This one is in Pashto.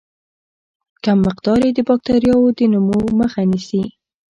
کم مقدار یې د باکتریاوو د نمو مخه نیسي.